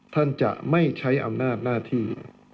ท่านจะไม่ใช้อำนาจหน้าที่